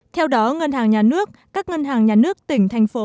theo đó ngân hàng nhà nước các ngân hàng nhà nước tỉnh thành phố